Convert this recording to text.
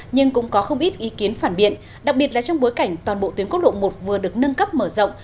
nhưng cũng có không ít ý kiến phản biện đặc biệt là trong bối cảnh toàn bộ tuyến quốc lộ một vừa được nâng cấp mở rộng